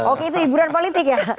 oke itu hiburan politik ya